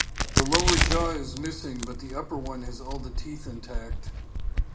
The lower jaw is missing but the upper one has all the teeth intact.